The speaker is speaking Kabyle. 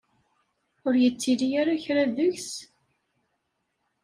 Ur yettili ara kra deg-s?